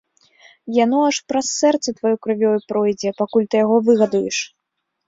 Яно аж праз сэрца тваё крывёю пройдзе, пакуль ты яго выгадуеш.